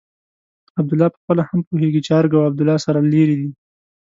عبدالله پخپله هم پوهېږي چې ارګ او عبدالله سره لرې دي.